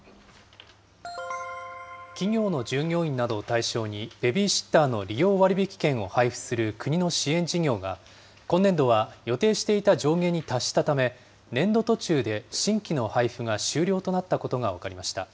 企業の従業員などを対象に、ベビーシッターの利用割引券を配付する国の支援事業が、今年度は予定していた上限に達したため、年度途中で新規の配付が終了となったことが分かりました。